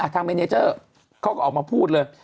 ทางเมเนเจอร์เขาก็ออกมาพูดเลย